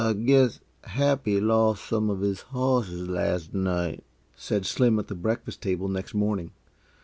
"I guess Happy lost some of his horses, las' night," said Slim at the breakfast table next morning.